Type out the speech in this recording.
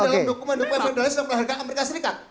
yang melahirkan amerika serikat